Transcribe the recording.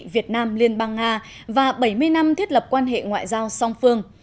việt nam liên bang nga và bảy mươi năm thiết lập quan hệ ngoại giao song phương